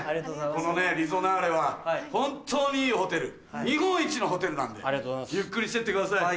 このリゾナーレは本当にいいホテル日本一のホテルなんでゆっくりしてってください。